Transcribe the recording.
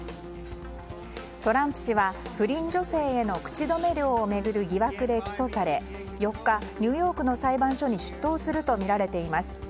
トランプ氏は不倫女性への口止め料を巡る疑惑で起訴され４日、ニューヨークの裁判所に出頭するとみられています。